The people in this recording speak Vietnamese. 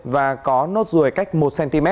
và có nốt ruồi cách một cm